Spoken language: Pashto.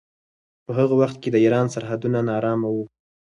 په هغه وخت کې د ایران سرحدونه ناارامه وو.